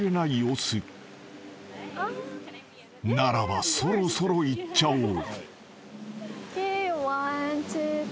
［ならばそろそろいっちゃおう］